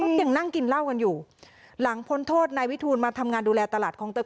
ยังนั่งกินเหล้ากันอยู่หลังพ้นโทษนายวิทูลมาทำงานดูแลตลาดคองเตอร์